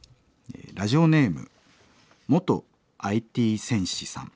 ラジオネーム元ＩＴ戦士さん。